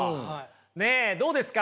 ねっどうですか？